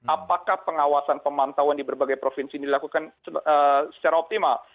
apakah pengawasan pemantauan di berbagai provinsi ini dilakukan secara optimal